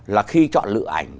là khi chọn lựa ảnh